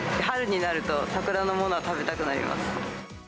春になると、桜のものが食べたくなります。